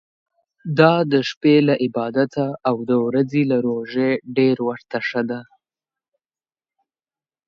دا د شپې له عبادته او د ورځي له روژې ډېر ورته ښه ده.